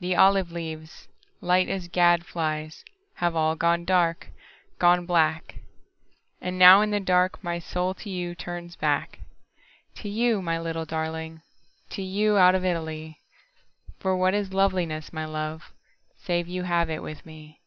The olive leaves, light as gad flies, Have all gone dark, gone black. And now in the dark my soul to youTurns back. To you, my little darling, To you, out of Italy.For what is loveliness, my love, Save you have it with me!